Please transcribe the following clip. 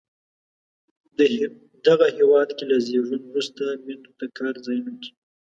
دغه هېواد کې له زیږون وروسته میندو ته کار ځایونو کې